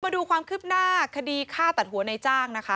มาดูความคืบหน้าคดีฆ่าตัดหัวในจ้างนะคะ